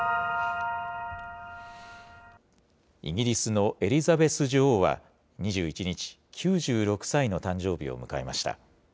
イギリスのエリザベス女王は２１日、９６歳の誕生日を迎えました。